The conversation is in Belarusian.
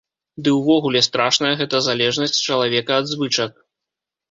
Ды ўвогуле, страшная гэта залежнасць чалавека ад звычак.